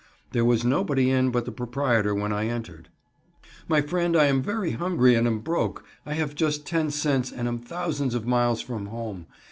There was nobody in but the proprietor when I entered. "My friend, I am very hungry, and am broke I have just ten cents, and am thousands of miles from home.